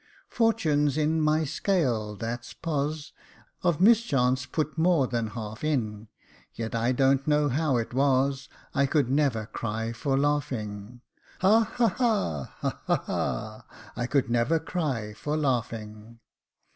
Fortune's in my scale, that's poz. Of mischance put more than half in ; Yet I don't know how it was, I could never cry for laughing — Ha! ha! ha 1 Ha! ha! ha I I could never cry for laughing.